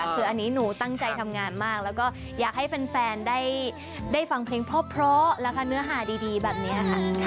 คืออันนี้หนูตั้งใจทำงานมากแล้วก็อยากให้แฟนได้ฟังเพลงเพราะแล้วก็เนื้อหาดีแบบนี้ค่ะ